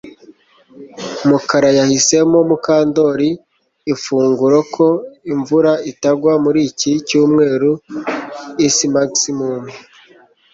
Mukara yahisemo Mukandoli ifunguro ko imvura itagwa muri iki cyumweru ismaximum